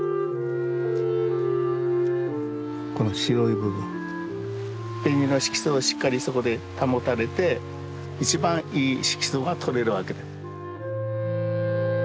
この白い部分紅の色素をしっかりそこで保たれて一番いい色素がとれるわけで。